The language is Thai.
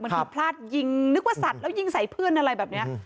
พลาดยิงนึกว่าสัตว์แล้วยิงใส่เพื่อนอะไรแบบนี้